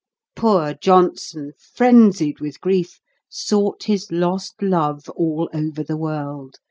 Poor Johnson, frenzied with grief, sought his lost love all over the world.